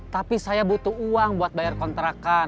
tapi saya butuh uang buat bayar kontrakan